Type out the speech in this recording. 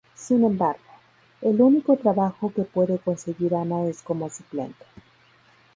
Sin embargo, el único trabajo que puede conseguir Anna es como suplente.